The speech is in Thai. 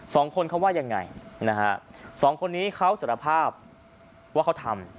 สองคนเขาว่ายังไงนะฮะสองคนนี้เขาสารภาพว่าเขาทำ